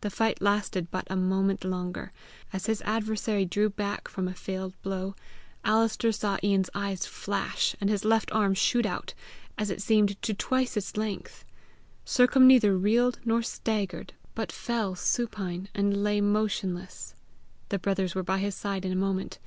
The fight lasted but a moment longer. As his adversary drew back from a failed blow, Alister saw Ian's eyes flash, and his left arm shoot out, as it seemed, to twice its length. Sercombe neither reeled nor staggered but fell supine, and lay motionless. The brothers were by his side in a moment.